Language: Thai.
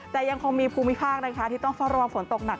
แต่ยังคงมีภูมิภาคนะคะที่ต้องเฝ้าระวังฝนตกหนัก